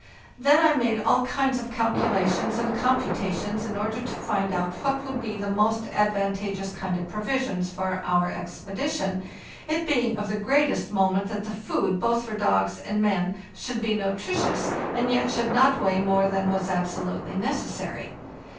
Then I made all kinds of calculations and computa tions in order to find out what would be the most advan tageous kind of provisions for our expedition, where it was of the greatest moment that the food both for dogs and men should be nutritious, and yet should not weigh more than was absolutely necessary.